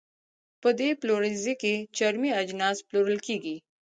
په دې پلورنځۍ کې چرمي اجناس پلورل کېدل.